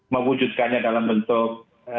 mewujudkannya dalam bentuk